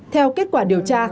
theo kết quả điều tra